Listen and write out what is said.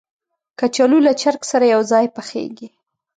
کچالو له چرګ سره یو ځای پخېږي